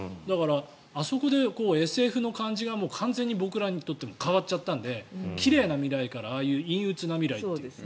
あそこでＳＦの感じが完全に僕らにとっても変わっちゃったので奇麗な未来からああいう陰うつな未来という。